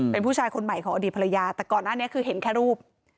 เป็นผู้ชายคนใหม่ของอดีตภรรยาแต่ก่อนหน้านี้คือเห็นแค่รูป